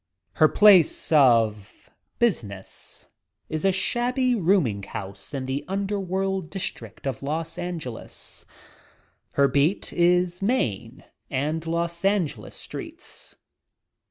Her place of business* is a shabby rooming house in the under world district of Los Angeles; her "beat" is Main and Los Angeles streets.